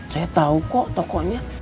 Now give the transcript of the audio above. saya tau kok tokonya